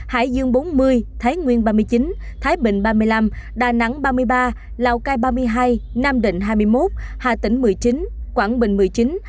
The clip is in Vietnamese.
hải dương bốn mươi thái nguyên ba mươi chín thái bình ba mươi năm đà nẵng ba mươi ba lào cai ba mươi hai nam định hai mươi một hà tĩnh một mươi chín quảng bình một mươi chín